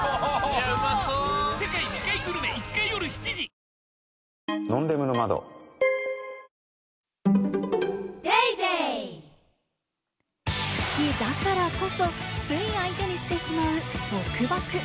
サントリー好きだからこそ、つい相手にしてしまう束縛。